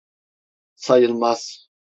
Sayılmaz.